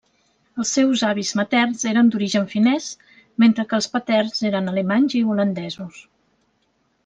Els seus avis materns eren d'origen finès, mentre que els paterns eren alemanys i holandesos.